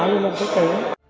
lên một cái tế